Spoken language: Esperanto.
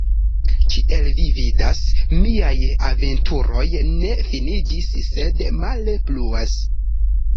Kiel vi vidas, miaj aventuroj ne finiĝis, sed male pluas.